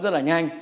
rất là nhanh